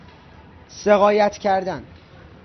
سقایت کردن